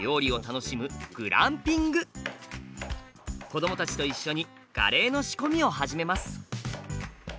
子どもたちと一緒にカレーの仕込みを始めます。